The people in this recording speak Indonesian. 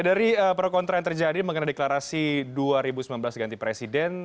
dari pro kontra yang terjadi mengenai deklarasi dua ribu sembilan belas ganti presiden